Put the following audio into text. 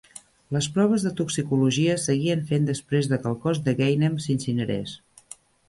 Les proves de toxicologia es seguien fent després de que el cos de Ghanem s'incinerés.